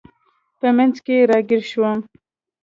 په منځ کې راګیر شوم.